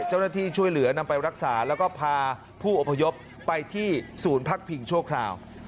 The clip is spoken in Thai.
เจ้าหน้าที่ช่วยเหลือนำไปรักษาแล้วก็พาผู้อพยพไปที่ศูนย์พักพิงชั่วคราว